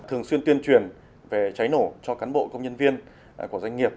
thường xuyên tuyên truyền về cháy nổ cho cán bộ công nhân viên của doanh nghiệp